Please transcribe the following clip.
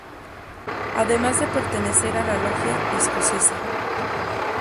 Además de pertenecer a la logia Escocesa.